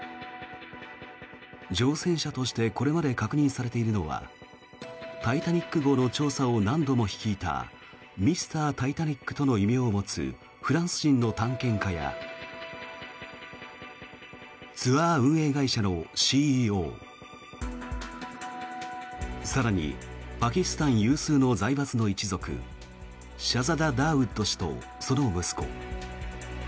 乗船者としてこれまで確認されているのは「タイタニック号」の調査を何度も率いたＭｒ．タイタニックとの異名を持つフランス人の探検家やツアー運営会社のＣＥＯ更にパキスタン有数の財閥の一族シャザダ・ダーウッド氏とその息子。